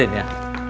dengar ini ya